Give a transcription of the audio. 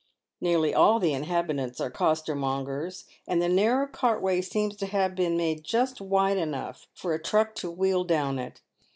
Nearly all the inhabitants are costermongers, and the narrow cart way seems to have been made just wide enough for a truck to wheel down it.